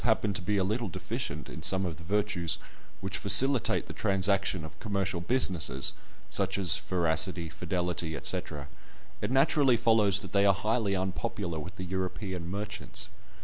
happen to be a little deficient in some of the virtues which facilitate the transaction of commercial business (such as veracity, fidelity, &c.), it naturally follows that they are highly unpopular with the European merchants.